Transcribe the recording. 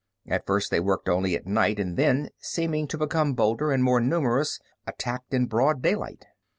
"At first they worked only at night and then, seeming to become bolder and more numerous, attacked in broad daylight."